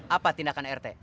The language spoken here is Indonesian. apa tindakan rt